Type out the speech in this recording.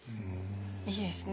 いいですね